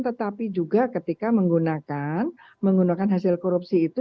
tetapi juga ketika menggunakan menggunakan hasil korupsi itu